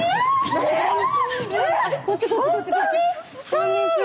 こんにちは。